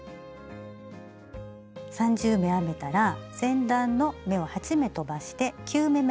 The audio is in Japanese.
３０目編めたら前段の目を８目とばして９目め。